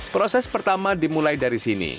proses pertama dimulai dari sini